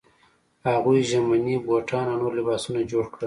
هغوی ژمني بوټان او نور لباسونه جوړ کړل.